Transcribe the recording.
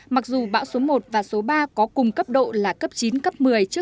mặc dù bão số một và số ba có cùng cấp độ là cấp chín cấp một mươi